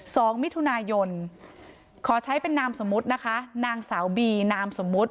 สองมิถุนายนขอใช้เป็นนามสมมุตินะคะนางสาวบีนามสมมุติ